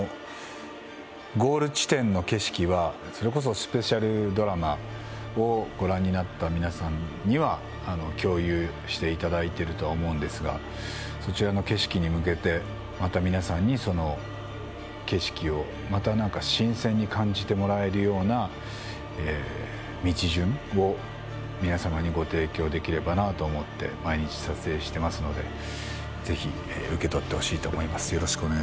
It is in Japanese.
ゴール地点の景色はそれこそスペシャルドラマをご覧になった皆さんには共有していただいているとは思うんですがそちらの景色に向けてまた皆さんに、その景色を新鮮に感じてもらえるような道順を皆様にご提供できればなと思って毎日撮影していますのでぜひ受け取ってほしいと思います。